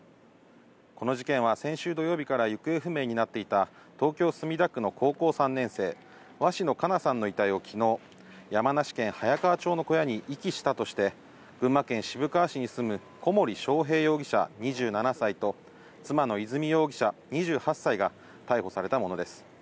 この事件は先週土曜日から行方不明になっていた東京・墨田区の高校３年生、鷲野花夏さんの遺体をきのう、山梨県早川町の小屋に遺棄したとして、群馬県渋川市に住む小森章平容疑者２７歳と妻の和美容疑者２８歳が、逮捕されたものです。